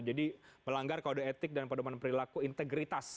jadi melanggar kode etik dan pendekatan perilaku integritas